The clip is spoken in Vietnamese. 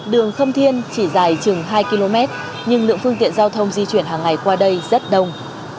đường khâm thiên chỉ dài chừng hai km nhưng lượng phương tiện giao thông di chuyển hàng ngày qua đây rất đông